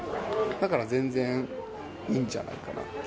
だから全然いいんじゃないかなって。